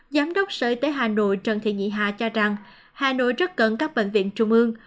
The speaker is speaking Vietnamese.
giám đốc sở y tế hà nội trần thị nhị hà cho rằng hà nội rất cần các bệnh viện trung ương